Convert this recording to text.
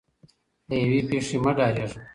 له یوې پیښې مه ډاریږه.